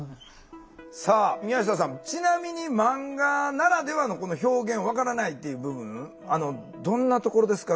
さあ宮下さんちなみにマンガならではのこの表現分からないっていう部分どんなところですか？